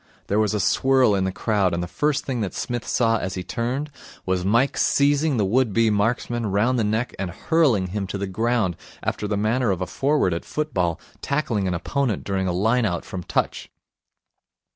There was a swirl in the crowd, and the first thing that Psmith saw as he turned was Mike seizing the would be marksman round the neck and hurling him to the ground, after the manner of a forward at football tackling an opponent during a line out from touch.